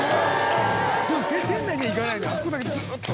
「でも店内にはいかないであそこだけずっと」